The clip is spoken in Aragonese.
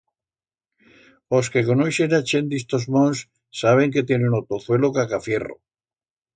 Os que conoixen a chent d'istos monts saben que tienen o tozuelo cacafierro.